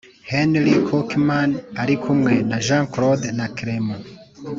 Henry Cockman ari kumwe na Jean na Clem